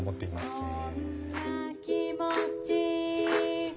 へえ。